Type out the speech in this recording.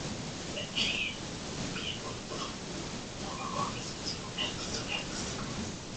Let "G" be a group of homeomorphisms from "X" to "X".